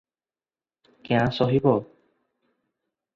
କ୍ୟାଁ ସହିବ?